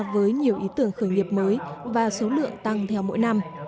với nhiều ý tưởng khởi nghiệp mới và số lượng tăng theo mỗi năm